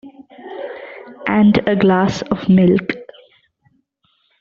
And a glass of milk.